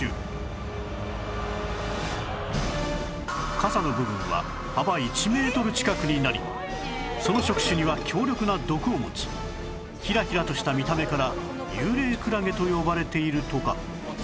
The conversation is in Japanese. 傘の部分は幅１メートル近くになりその触手には強力な毒を持ちヒラヒラとした見た目からユウレイクラゲと呼ばれているとか